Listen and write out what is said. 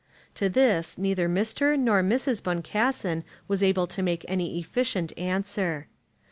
To this neither Mr. nor Mrs. Boncassen was able to make any efficient answer.